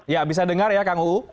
ya bisa dengar ya kang uu